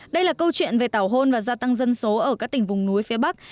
đây là câu chuyện về tảo hôn và gia tăng dân số ở các tỉnh vùng núi phía bắc